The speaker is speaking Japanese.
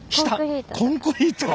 コンクリート。